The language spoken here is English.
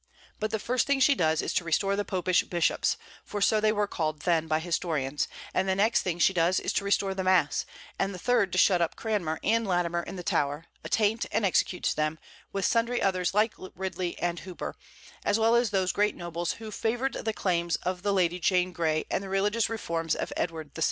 But the first thing she does is to restore the popish bishops, for so they were called then by historians; and the next thing she does is to restore the Mass, and the third to shut up Cranmer and Latimer in the Tower, attaint and execute them, with sundry others like Ridley and Hooper, as well as those great nobles who favored the claims of the Lady Jane Grey and the religious reforms of Edward VI.